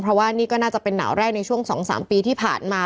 เพราะว่านี่ก็น่าจะเป็นหนาวแรกในช่วง๒๓ปีที่ผ่านมา